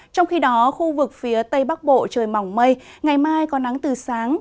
trong khi đó khu vực phía tây bắc bộ trời mỏng mây ngày mai có nắng từ sáng